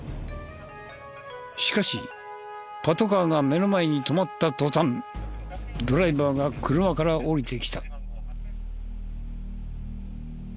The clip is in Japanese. しかしパトカーが目の前に止まった途端ドライバーが車から降りてきた。